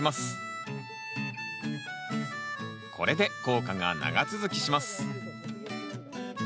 これで効果が長続きします。